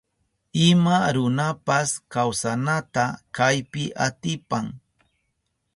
Ima runapas kawsanata kaypi atipan.